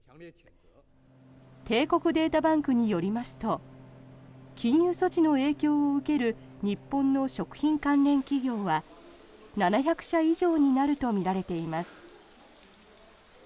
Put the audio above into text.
帝国データバンクによりますと禁輸措置の影響を受ける日本の食品関連企業は７００社以上になるとみられています。